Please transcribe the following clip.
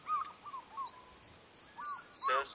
د دغي ودانۍ په سر کي د انټرنیټ ښه شبکه سته.